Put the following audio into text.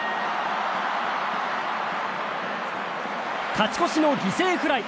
勝ち越しの犠牲フライ。